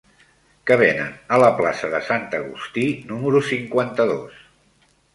Què venen a la plaça de Sant Agustí número cinquanta-dos?